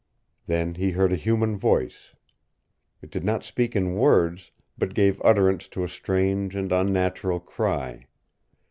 Then he heard a human voice. It did not speak in words, but gave utterance to a strange and unnatural cry.